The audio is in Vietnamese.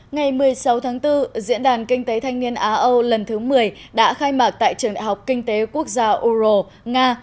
ngày một mươi sáu tháng bốn diễn đàn kinh tế thanh niên á âu lần thứ một mươi đã khai mạc tại trường đại học kinh tế quốc gia euro nga